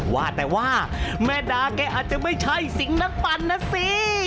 ว่าแต่ว่าแม่ดาแกอาจจะไม่ใช่สิงนักปั่นนะสิ